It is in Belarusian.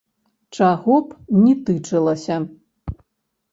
Чаго б ні тычылася.